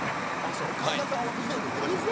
神田さんはフジテレビ受けましたか。